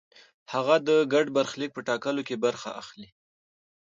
هغه د ګډ برخلیک په ټاکلو کې برخه اخلي.